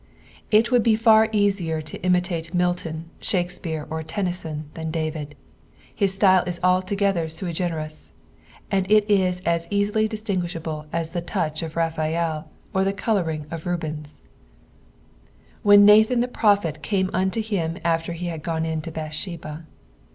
It wouhl befar easier to imilaie Milton, l^akspeare, or Ttnnyson, Ihan Damd. His style w aUogtlhtr Boi ({eaeria, and it is as easUy dislinguish/Ate as the touch of HafaeUe or the colouring c^ Rabtnu. " When Nathan the prophet came unto him. after he had gone in to Bath Bheba."